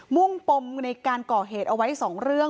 มุ่งปมในการก่อเหตุเอาไว้๒เรื่อง